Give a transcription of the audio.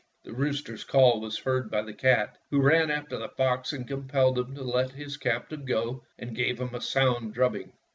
The rooster's call was heard by the cat, who ran after the fox and compelled him to let his captive go and gave him a sound drubbing.